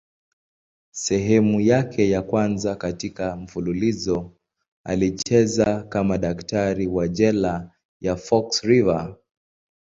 Sehemu yake ya kwanza katika mfululizo alicheza kama daktari wa jela ya Fox River.